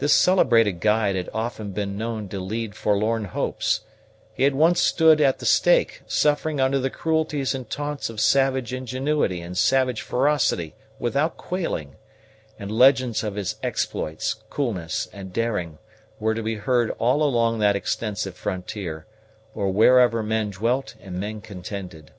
This celebrated guide had often been known to lead forlorn hopes: he had once stood at the stake, suffering under the cruelties and taunts of savage ingenuity and savage ferocity without quailing; and legends of his exploits, coolness, and daring were to be heard all along that extensive frontier, or wherever men dwelt and men contended.